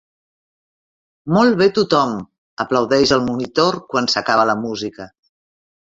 Molt bé tothom! —aplaudeix el monitor quan s'acaba la música.